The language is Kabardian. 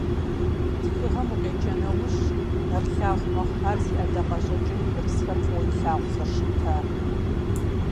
Тхыгъэм укъеджа нэужь, нэрылъагъу мэхъу ар зи ӀэдакъэщӀэкӀым бгырысхэр фӀыуэ илъагъуу зэрыщымытар.